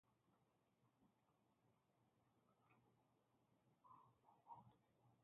Hyper-inflation then disrupted the economy, directly affecting Hong Kong citizens.